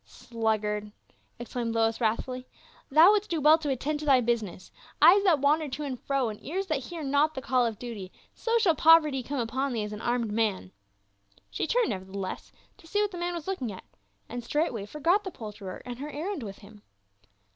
"Sluggard!" exclaimed Lois wrathfully. "Thou wouldst do well to attend to thy business ; eyes that wander to and fro, and ears that hear not the call of duty, so shall poverty come upon thee as an armed man." She turned nevertheless to see what the man was looking at, and straightway forgot the poulterer and her errand with him.